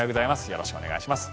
よろしくお願いします。